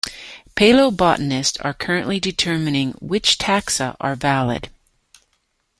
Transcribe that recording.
Paleobotanists are currently determining which taxa are valid.